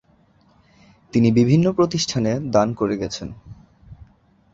তিনি বিভিন্ন প্রতিষ্ঠানে দান করে গেছেন।